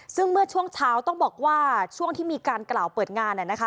ซึ่งเมื่อช่วงเช้าต้องบอกว่าช่วงที่มีการกล่าวเปิดงาน